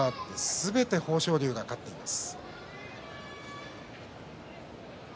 すべて豊昇龍が勝っています。